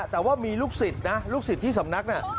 แต่ว่ามีลูกศิษย์นะลูกศิษย์ที่สำนักเนี่ย